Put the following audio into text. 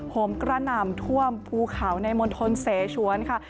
มกระหน่ำท่วมภูเขาในมณฑลเสชวนค่ะ